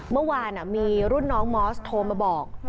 เมื่อวานมีรุ่นน้องมอสโทรมาบอก